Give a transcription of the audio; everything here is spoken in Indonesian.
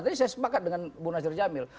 tadi saya sepakat dengan bu nasir jamil